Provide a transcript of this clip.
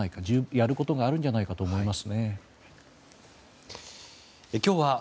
やることがあるんじゃないかと思います。